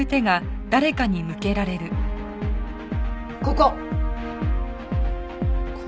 ここ！